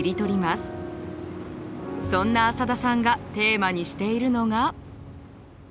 そんな浅田さんがテーマにしているのが。